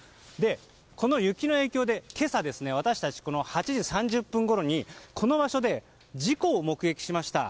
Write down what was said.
この雪の影響で今朝私たち、８時３０分ごろにこの場所で事故を目撃しました。